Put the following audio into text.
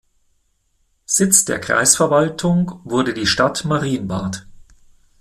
Sitz der Kreisverwaltung wurde die Stadt Marienbad.